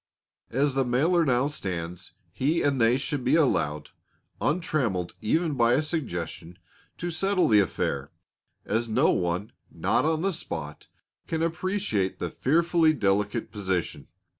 As the mailer now stands, he and they should be allowed, untrammeled even by a suggestion, to settle the affair, as no one not on the spot can appreciate the fearfully delicate position.